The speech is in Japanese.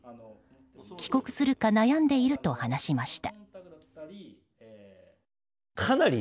帰国するか悩んでいると話しました。